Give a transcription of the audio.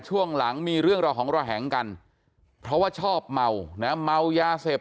ช่วงหลังมีเรื่องระหองระแหงกันเพราะว่าชอบเมานะเมายาเสพ